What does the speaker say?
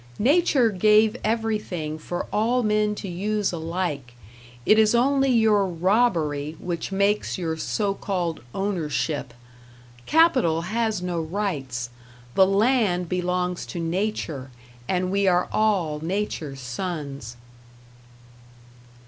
Nature gave everything for all men to use alike; it is only your robbery which makes your so called "ownership". Capital has no rights. The land belongs to Nature, and we are all Nature's sons.